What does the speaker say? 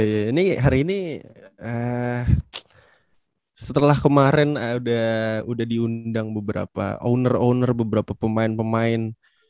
ini hari ini setelah kemarin udah diundang beberapa owner owner beberapa pemain pemain